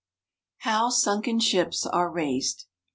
HOW SUNKEN SHIPS ARE RAISED.